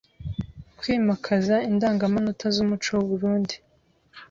kwimakaza indangamanota z’umuco w’u Burunndi